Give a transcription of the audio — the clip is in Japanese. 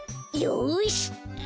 よし！